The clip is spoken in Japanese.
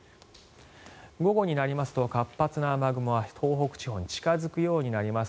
午後になりますと活発な雨雲は東北地方に近付くようになります。